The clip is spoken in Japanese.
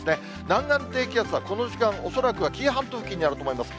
南岸低気圧はこの時間、恐らくは紀伊半島付近にあると思います。